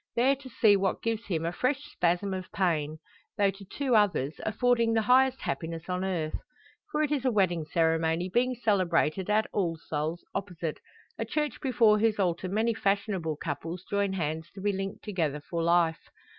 There to see what gives him a fresh spasm of pain; though to two others, affording the highest happiness on earth. For it is a wedding ceremony being celebrated at "All Souls" opposite, a church before whose altar many fashionable couples join hands to be linked together for life.